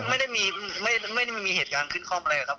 ไม่ได้มีเหตุการณ์ขึ้นครอบอะไรครับ